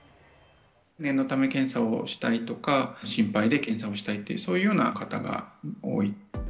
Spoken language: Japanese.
念のため検査をしたいとか、心配で検査をしたいって、そういうような方が多い。